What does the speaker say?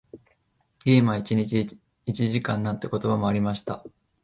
ゲームは一日一時間なんて言葉もありました。